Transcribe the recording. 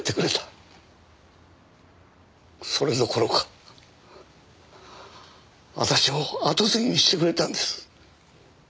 それどころか私を後継ぎにしてくれたんです。